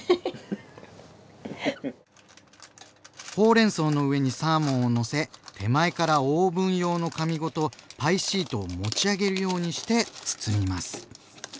ほうれんそうの上にサーモンをのせ手前からオーブン用の紙ごとパイシートを持ち上げるようにして包みます。